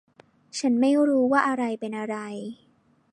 ฉันไม่รู้ว่าอะไรเป็นอะไร